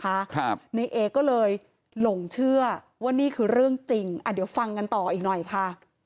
ครับในเอก็เลยหลงเชื่อว่านี่คือเรื่องจริงอ่ะเดี๋ยวฟังกันต่ออีกหน่อยค่ะ